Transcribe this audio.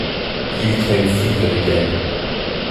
He became fevered again.